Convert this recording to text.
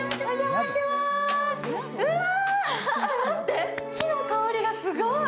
待って、木の香りがすごい。